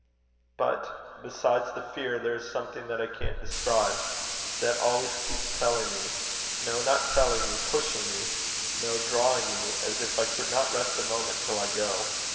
"But besides the fear, there is something that I can't describe, that always keeps telling me no, not telling me, pushing me no, drawing me, as if I could not rest a moment till I go.